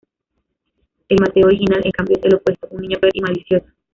El Mateo original, en cambio, es lo opuesto, un niño cruel y malicioso.